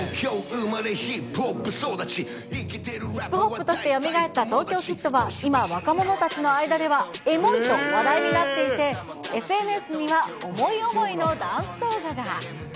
ヒップホップとしてよみがえった東京キッドは今若者たちの間では、エモいと話題になっていて、ＳＮＳには思い思いのダンス動画が。